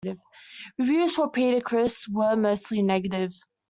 Reviews for "Peter Criss" were mostly negative.